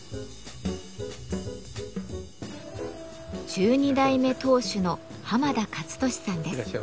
十二代目当主の濱田捷利さんです。